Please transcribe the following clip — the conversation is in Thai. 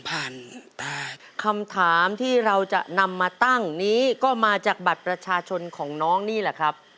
แต่คำถามที่เราจะนำมาตั้งนี้ก็มาจากบัตรประชาชนของน้องนี่แหละครับ